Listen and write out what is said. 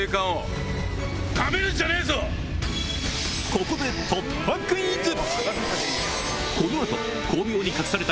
ここで突破クイズ！